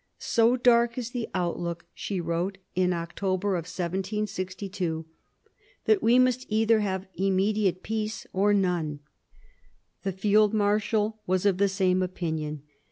" So dark is the outlook," she wrote in October 1762, "that we must either have immediate peace, or none." The field marshal was of the same opinion.